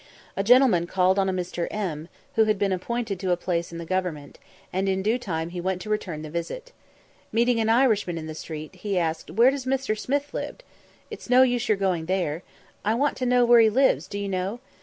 A gentleman called on a Mr. M , who had been appointed to a place in the government, and in due time he went to return the visit. Meeting an Irishman in the street, he asked, "Where does Mr. 'Smith' live?" "It's no use your going there." "I want to know where he lives, do you know?"